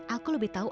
aku lebih tahu